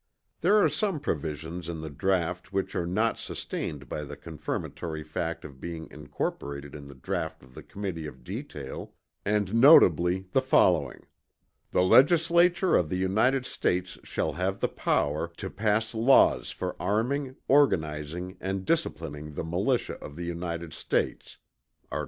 There are some provisions in the draught which are not sustained by the confirmatory fact of being incorporated in the draught of the Committee of Detail, and notably the following: "The legislature of the United States shall have the power" "to pass laws for arming, organizing and disciplining the militia of the United States," Art.